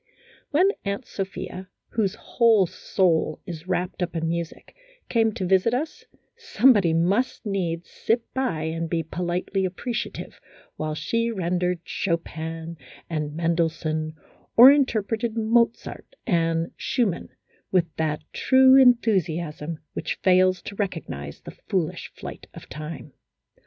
When Aunt Sophia, whose whole soul is wrapped up in music, came to visit us, somebody must needs sit by and be politely appreciative while she rendered Chopin and Mendelssohn, or interpreted Mozart and Schumann with that true enthusiasm which fails to recognize the foolish flight of time.